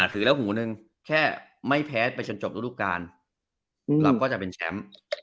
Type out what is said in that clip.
ถือแล้วหูหนึ่งแค่ไม่แพ้ไปจนจบรูดูการเราก็จะเป็นแชมป์